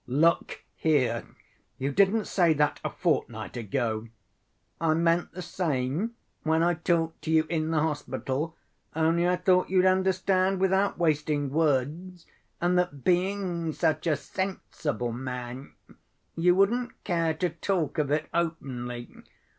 "Look here, you didn't say that a fortnight ago." "I meant the same when I talked to you in the hospital, only I thought you'd understand without wasting words, and that being such a sensible man you wouldn't care to talk of it openly."